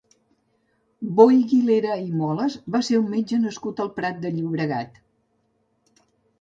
Boi Guilera i Molas va ser un metge nascut al Prat de Llobregat.